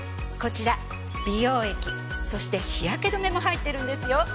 こちら美容液そして日焼け止めも入ってるんですよ。